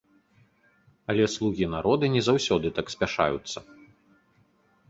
Але слугі народа не заўсёды так спяшаюцца.